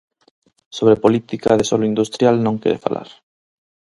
Sobre política de solo industrial non quere falar.